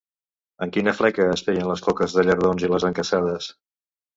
En quina fleca es feien les coques de llardons i les encasades?